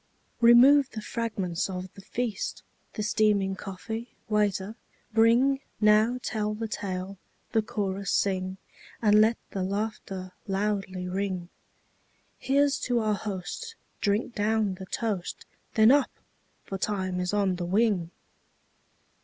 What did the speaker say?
Remove the fragments of the feast! The steaming coffee, waiter, bringNow tell the tale, the chorus sing, And let the laughter loudly ring; Here 's to our host, drink down the toast, Then up! for time is on the wing.